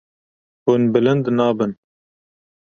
Hûn bilind nabin.